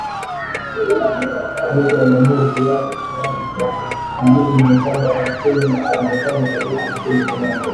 Rais aliamuru kiasi cha wanajeshi mia saba hamsini wa Marekani kuondoka nchini Somalia